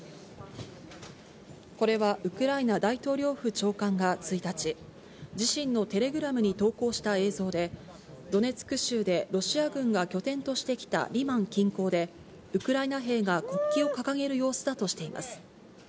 これはウクライナ大統領府長官が１日、自身のテレグラムに投稿した映像で、ドネツク州でロシア軍が拠点としてきたリマン近郊で、ウクライナ兵が国旗を掲げる様子だとしています。